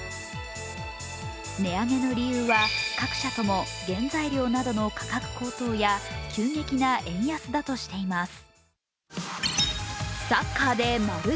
値上げの理由は、各社とも原材料の価格高騰や急激な円安だとしています。